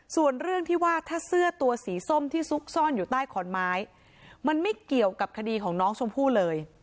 ส่วนเรื่องที่ว่าถ้าเสื้อตัวสีส้มที่ซุกซ่อนอยู่ใต้ขอนไม้มันไม่เกี่ยวกับคดีของน้องชมพู่เลย